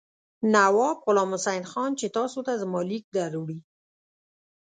نواب غلام حسین خان چې تاسو ته زما لیک دروړي.